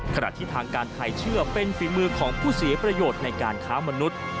ขณะที่ทางการไทยเชื่อเป็นฝีมือของผู้เสียประโยชน์ในการค้ามนุษย์